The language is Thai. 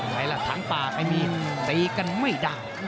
ไหนละทางป่าใครมีตีกันไม่ได้